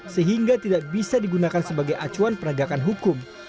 sehingga tidak bisa digunakan sebagai acuan penegakan hukum